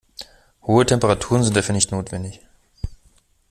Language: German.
Hohe Temperaturen sind dafür nicht notwendig.